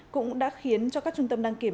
cũng đã khiến cho các trung tâm đăng kiểm